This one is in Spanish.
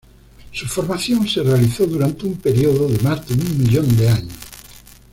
Su formación se realizó durante un periodo de más de un millón de años.